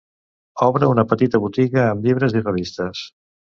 Obre una petita botiga amb llibres i revistes.